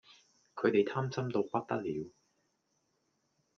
佢地貪心到不得了